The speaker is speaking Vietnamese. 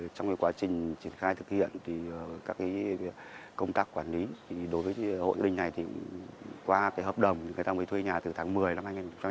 trong quá trình triển khai thực hiện các công tác quản lý đối với hội đình này qua hợp đồng người ta mới thuê nhà từ tháng một mươi năm hai nghìn một mươi hai